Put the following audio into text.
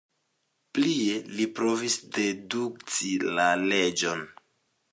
Plie li provis dedukti la leĝon.